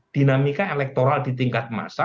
dinamika elektoral di tingkat massa